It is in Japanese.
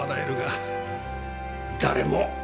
誰も。